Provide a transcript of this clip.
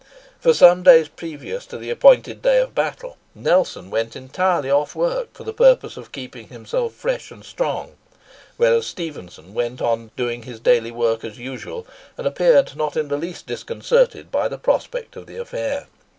For some days previous to the appointed day of battle, Nelson went entirely off work for the purpose of keeping himself fresh and strong, whereas Stephenson went on doing his daily work as usual, and appeared not in the least disconcerted by the prospect of the affair.